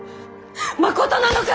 まことなのか！